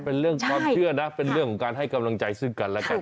เป็นเรื่องความเชื่อนะเป็นเรื่องของการให้กำลังใจซึ่งกันแล้วกัน